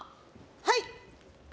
はい！